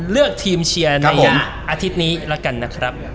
เลือกทีมเชียร์ในอาทิตย์นี้ละกันนะครับ